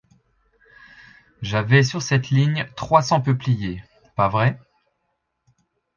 J’avais sur cette ligne trois cents peupliers, pas vrai ?